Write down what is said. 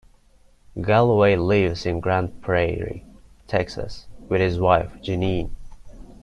Galloway lives in Grand Prairie, Texas, with his wife Janeen.